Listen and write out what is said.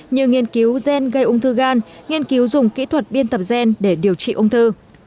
như nghiên cứu gen gây ung thư gan nghiên cứu dùng kỹ thuật biên tập gen để điều trị ung thư